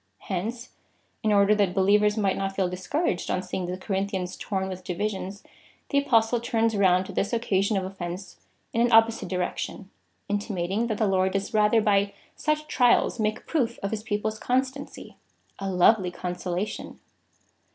Hence, in order that believers might not feel discouraged on seeing the Corinthians torn with divisions, the Apostle turns round this occasion of of fence in an opposite direction, intimating that the Lord does rather by such trials make proof of his people's constancy. A lovely consolation